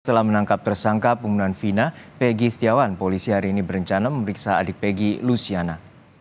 setelah menangkap tersangka pembunuhan vina pegi setiawan polisi hari ini berencana memeriksa adik peggy luciana